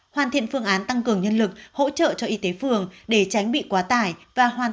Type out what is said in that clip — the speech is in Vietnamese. hoàn thiện phương án tăng cường nhân lực hỗ trợ cho y tế phường để tránh bị quá tải và hoàn